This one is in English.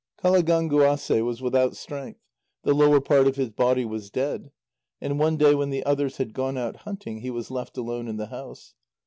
Qalagánguasê was without strength, the lower part of his body was dead, and one day when the others had gone out hunting, he was left alone in the house.